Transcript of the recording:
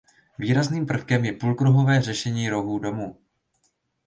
Výrazným prvkem je půlkruhové řešení rohů domu.